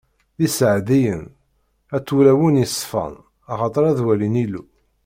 D iseɛdiyen, at wulawen yeṣfan, axaṭer ad walin Illu!